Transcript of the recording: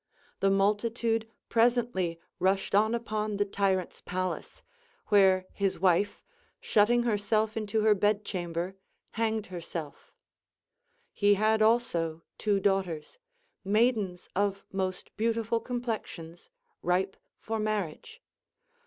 The multitude presently rushed on upon the tyrant's palace, where his wife shutting herself into her bed chamber hanged herself He had also two daughters, maidens of most beautiful complexions, ripe for marriage.